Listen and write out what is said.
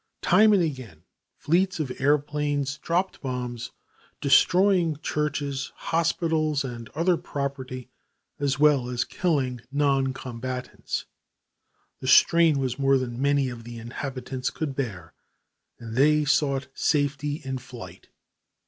Time and again, fleets of airplanes dropped bombs, destroying churches, hospitals and other property, as well as killing non combatants. The strain was more than many of the inhabitants could bear and they sought safety in flight.